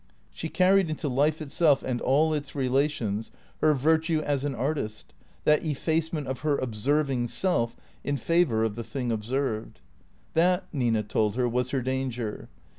She carried into life itself and all its relations her virtue as an artist, that effacement of her observing self in favour of the thing observed. That, Nina told her, was her danger.